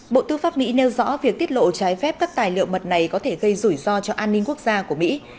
bộ tư pháp mỹ nêu rõ việc tiết lộ trái phép các tài liệu mật này có thể gây rủi ro cho an ninh quốc gia của mỹ